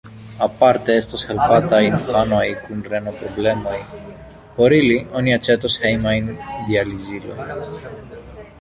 Aparte estos helpataj infanoj kun reno-problemoj: por ili oni aĉetos hejmajn dializilojn.